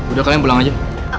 udah kalian pulang aja